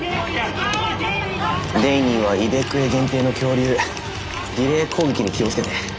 デイニーはイベクエ限定の恐竜ディレイ攻撃に気を付けて。